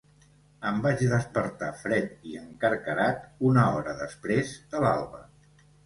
Em vaig despertar fred i encarcarat una hora després de l'alba.